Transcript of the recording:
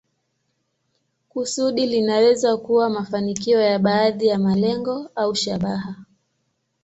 Kusudi linaweza kuwa mafanikio ya baadhi ya malengo au shabaha.